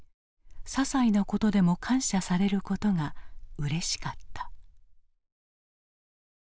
ささいなことでも感謝されることがうれしかった。